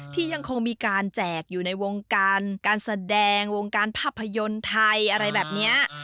ที่ยังคงมีการแจกอยู่ในวงการการแสดงวงการภาพยนตร์ไทยอะไรแบบนี้